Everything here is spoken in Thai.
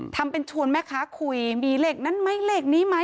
ทำเป็นชวนแม่ค้าคุยมีเลขนั้นไหมเลขนี้ไหม